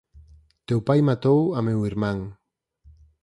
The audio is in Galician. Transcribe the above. Teu pai matou a meu irmán.